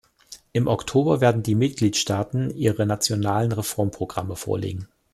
Im Oktober werden die Mitgliedstaaten ihre nationalen Reformprogramme vorlegen.